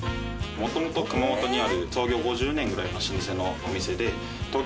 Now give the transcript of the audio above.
もともと熊本にある創業５０年ぐらいの老舗のお店で豕Ⅳ亡